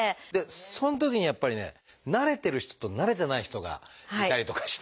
そのときにやっぱりね慣れてる人と慣れてない人がいたりとかしたり。